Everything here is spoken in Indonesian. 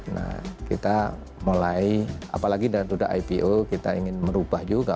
nah kita mulai apalagi dengan sudah ipo kita ingin merubah juga